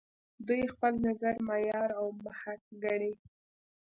دوی خپل نظر معیار او محک ګڼي.